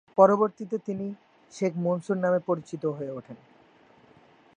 পরবর্তীতে তিনি শেখ মনসুর নামে পরিচিত হয়ে উঠেন।